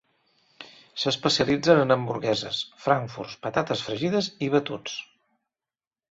S'especialitzen en hamburgueses, frankfurts, patates fregides i batuts.